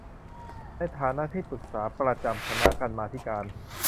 ในฐานะที่ปรึกษาประจำคณะกรรมาธิการ